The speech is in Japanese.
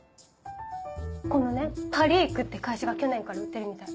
このねパリークって会社が去年から売ってるみたい。